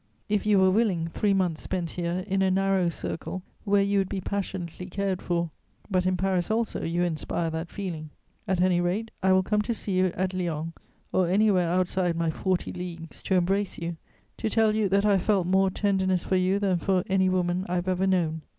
If you were willing, three months spent here, in a narrow circle where you would be passionately cared for: but in Paris also you inspire that feeling. At any rate, I will come to see you at Lyons, or anywhere outside my 'forty leagues,' to embrace you, to tell you that I have felt more tenderness for you than for any woman I have ever known.